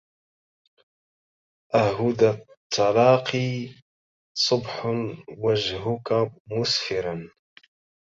أهدى التلاقي صبح وجهك مسفرا